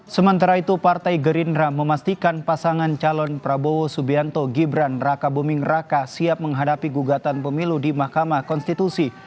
sementara itu partai gerindra memastikan pasangan calon prabowo subianto gibran raka buming raka siap menghadapi gugatan pemilu di mahkamah konstitusi